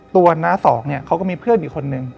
น้าสองเนี่ยเขาก็มีเพื่อนอีกคนนึง